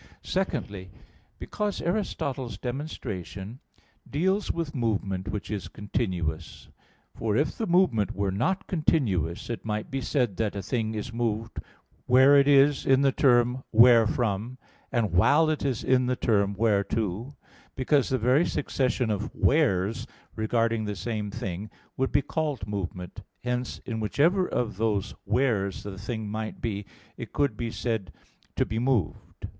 Secondly, because Aristotle's demonstration deals with movement which is continuous. For if the movement were not continuous, it might be said that a thing is moved where it is in the term wherefrom, and while it is in the term whereto: because the very succession of "wheres," regarding the same thing, would be called movement: hence, in whichever of those "wheres" the thing might be, it could be said to be moved.